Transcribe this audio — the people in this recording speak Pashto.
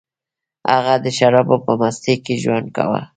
هغه د شرابو په مستۍ کې ژوند کاوه